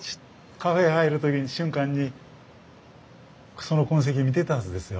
カフェへ入る時に瞬間にその痕跡見てたはずですよ。